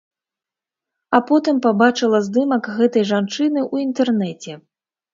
А потым пабачыла здымак гэтай жанчыны ў інтэрнэце.